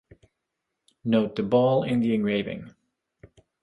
Note the ball in the engraving.